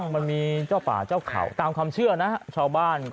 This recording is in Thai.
มันมีเจ้าป่าเจ้าเขาตามความเชื่อนะชาวบ้าน